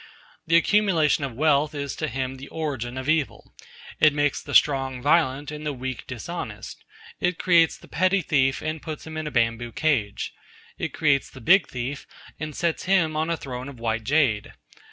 The accumulation of wealth is to him the origin of evil. It makes the strong violent, and the weak dishonest. It creates the petty thief, and puts him in a bamboo cage. It creates the big thief, and sets him on a throne of white jade.